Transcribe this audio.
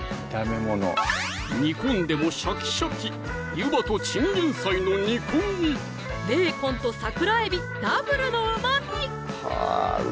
煮込んでもシャキシャキベーコンと桜えびダブルのうまみ！